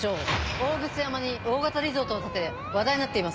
大楠山に大型リゾートを建て話題になっています。